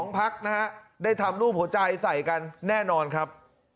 ๒ภักดิ์นะครับได้ทำรูปหัวใจใส่กันแน่นอนครับ